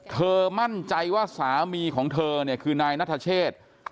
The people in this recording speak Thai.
มั่นใจว่าสามีของเธอเนี่ยคือนายนัทเชษ